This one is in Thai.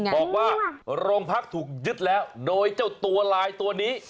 บอกว่าโรงพักถูกยึดแล้วโดยเจ้าตัวลายตัวนี้